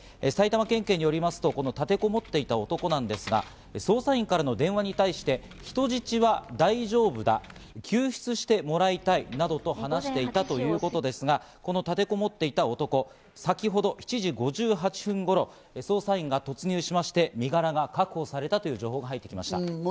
埼玉県警によりますと、この立てこもっていた男なんですが捜査員からの電話に対して人質は大丈夫だ、救出してもらいたいなどと話していたということですが、この立てこもっていた男、先ほど７時５８分頃、捜査員が突入しまして身柄が確保されたという情報が入ってきました。